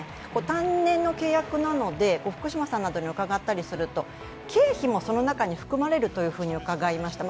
単年の契約なので、福島さんに伺ったりすると、経費もその中に含まれるというふうに伺いました。